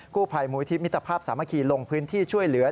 ผู้ภัยมูลที่มิตรภาพสามัคคีลงพื้นที่ช่วยเหลือ